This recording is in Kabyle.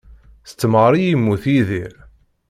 S temɣer i yemmut Yidir.